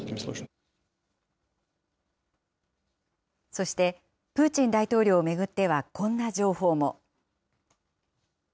そして、プーチン大統領を巡っては、こんな情報も。